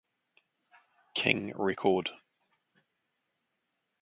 King record.